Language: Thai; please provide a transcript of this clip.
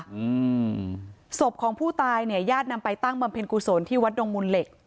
อืมศพของผู้ตายเนี่ยญาตินำไปตั้งบำเพ็ญกุศลที่วัดดงมูลเหล็ก